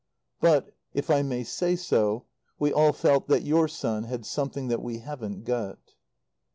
But, if I may say so, we all felt that your son had something that we haven't got...."